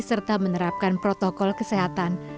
serta menerapkan protokol kesehatan